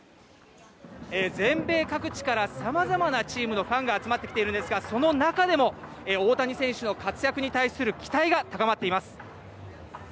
全米各地からさまざまなチームのファンが集まってきているんですが、その中でも大谷選手の活躍に対する期待が高まっています。